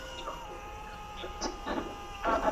خپله خوښي له نورو سره شریکه کړئ.